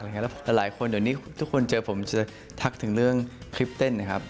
แล้วหลายคนเดี๋ยวนี้ทุกคนเจอผมจะทักถึงเรื่องคลิปเต้นนะครับ